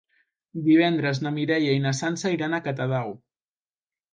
Divendres na Mireia i na Sança iran a Catadau.